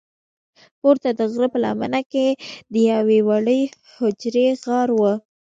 پورته د غره په لمنه کې د یوې وړې حجرې غار و.